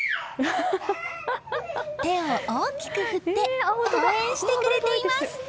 手を大きく振って応援してくれています。